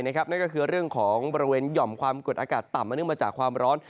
นั่นก็คือเรื่องของบริเวณหย่อมความกดอากาศต่ำมาเนื่องมาจากความร้อน